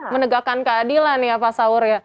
menegakkan keadilan ya pak saur ya